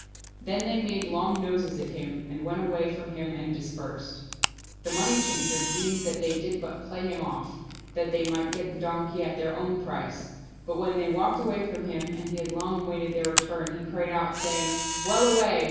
Then they made long noses at him and went away from him and dispersed. The money changer deemed they did but play him off, that they might get the donkey at their own price ; but, when they walked away from him and he had long awaited their return, he cried out, saying, "Well away!"